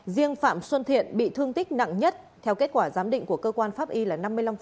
riêng phạm xuân thiện bị thương tích nặng nhất theo kết quả giám định của cơ quan pháp y là năm mươi năm